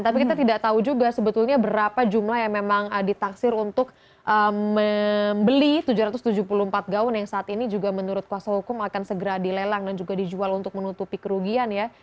tapi kita tidak tahu juga sebetulnya berapa jumlah yang memang ditaksir untuk membeli tujuh ratus tujuh puluh empat gaun yang saat ini juga menurut kuasa hukum akan segera dilelang dan juga dijual untuk menutupi kerugian ya